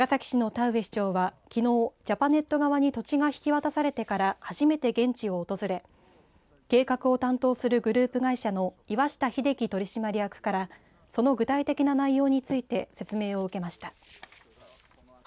長崎市の田上市長はきのう、ジャパネット側に土地が引き渡されてからん初めて現地を訪れ計画を担当するグループ会社の岩下英樹取締役からその具体的な内容について説明を受けました。